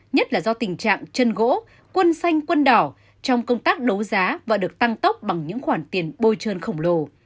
nhất là do tình trạng chân gỗ quân xanh quân đỏ trong công tác đấu giá và được tăng tốc bằng những khoản tiền bôi trơn khổng lồ